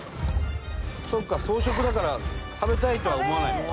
そっか草食だから食べたいとは思わないのか。